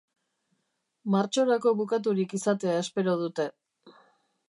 Martxorako bukaturik izatea espero dute.